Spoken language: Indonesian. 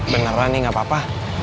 beneran nih gak apa apa